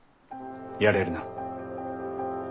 やれるな？